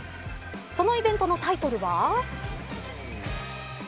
そのイベントのタイトルは。